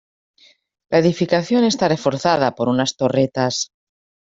La edificación está reforzada por unas torretas.